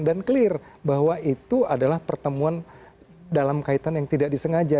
dan clear bahwa itu adalah pertemuan dalam kaitan yang tidak disengaja